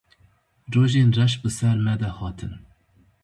Rojên reş bi ser me de hatin.